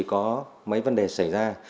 có mấy vấn đề xảy ra